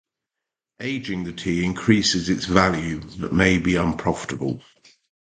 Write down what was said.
Aging the tea increases its value, but may be unprofitable.